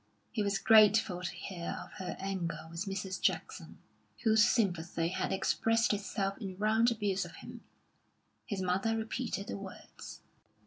He was grateful to hear of her anger with Mrs. Jackson, whose sympathy had expressed itself in round abuse of him. His mother repeated the words.